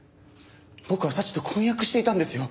僕は早智と婚約していたんですよ。